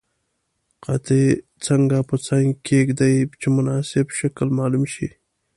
قطي څنګ په څنګ کیږدئ چې مناسب شکل معلوم شي.